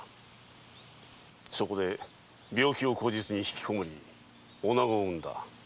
そこで病気を口実に引き籠り女子を生んだ。